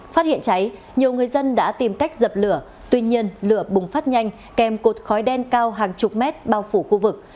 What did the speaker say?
phát hiện cháy nhiều người dân đã tìm cách dập lửa tuy nhiên lửa bùng phát nhanh kèm cột khói đen cao hàng chục mét bao phủ khu vực